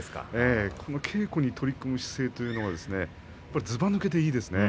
稽古に取り組む姿勢というのがずばぬけて明生はいいですね。